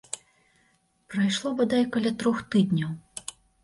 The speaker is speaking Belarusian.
Прайшло бадай каля трох тыдняў.